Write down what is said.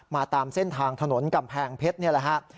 ตามเส้นทางถนนกำแพงเพชรนี่แหละครับ